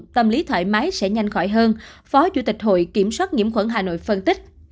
tâm lý thoải mái sẽ nhanh khỏi hơn phó chủ tịch hội kiểm soát nhiễm khuẩn hà nội phân tích